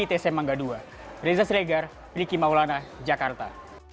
itc mangga ii reza sregar riki maulana jakarta